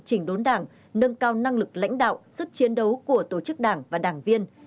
chỉnh đốn đảng nâng cao năng lực lãnh đạo sức chiến đấu của tổ chức đảng và đảng viên